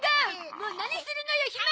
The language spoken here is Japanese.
もう何するのよひま！